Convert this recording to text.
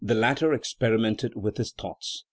latter experimented with his thoughts.